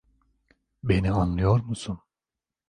Beni anlıyor musun?